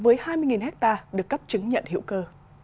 với hai mươi hectare được cấp chứng nhận hữu cơ